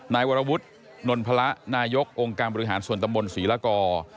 นายวรวุฒินนพระนายกองค์การบริหารส่วนตำบลศรีละกอ